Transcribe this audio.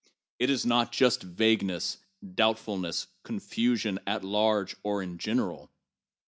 It is not just vagueness, doubtfulness, confusion, at large or in general.